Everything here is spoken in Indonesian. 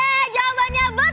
ya jawabannya betul